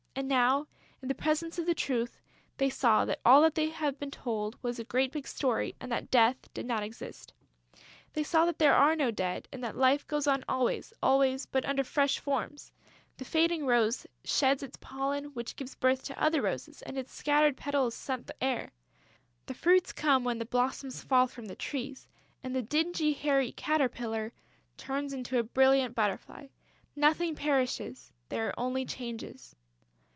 And now, in the presence of the truth, they saw that all that they had been told was a great big story and that Death does not exist. They saw that there are no Dead and that Life goes on always, always, but under fresh forms. The fading rose sheds its pollen, which gives birth to other roses, and its scattered petals scent the air. The fruits come when the blossoms fall from the trees; and the dingy, hairy caterpillar turns into a brilliant butterfly. Nothing perishes ... there are only changes....